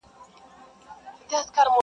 چي پر ما باندي یې سیوری کله لویږي٫